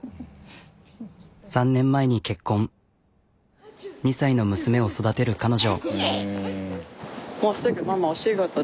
３年前に結婚２歳の娘を育てる彼女。